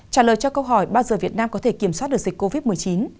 trả lời cho câu hỏi bao giờ việt nam có thể kiểm soát được dịch covid một mươi chín